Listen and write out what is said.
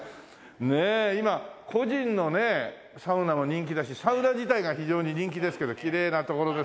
今個人のねサウナも人気だしサウナ自体が非常に人気ですけどきれいな所ですね。